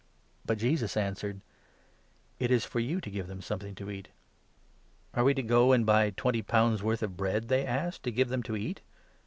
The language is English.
But Jesus answered :" It is for you to give them something 37 to eat." "Are we to go and buy twenty pounds' worth of bread,' they asked, " to give them to eat